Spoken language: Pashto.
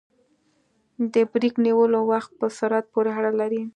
د بریک نیولو وخت په سرعت پورې اړه لري